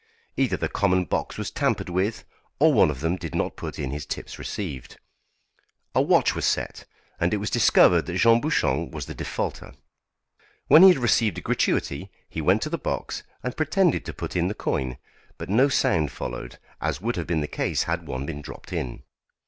Either the common box was tampered with, or one of them did not put in his tips received. A watch was set, and it was discovered that Jean Bouchon was the defaulter. When he had received a gratuity, he went to the box, and pretended to put in the coin, but no sound followed, as would have been the case had one been dropped in.